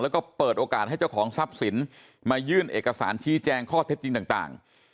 แล้วก็เปิดโอกาสให้เจ้าของทรัพย์สินมายื่นเอกสารชี้แจงข้อเท็จจริงต่าง